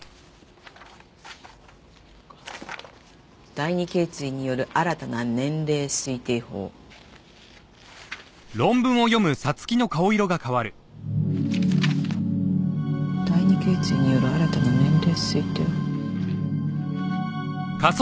「第二頚椎による新たな年齢推定法」「第二頚椎による新たな年齢推定法」。